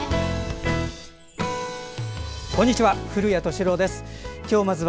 こんにちは。